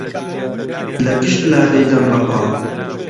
لە گشت لا دەیدەن ڕەپاڵ